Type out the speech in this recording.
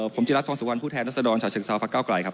ผมจิรัตนทองสุวรรณผู้แทนรัศดรชาวเชิงเซาพักเก้าไกลครับ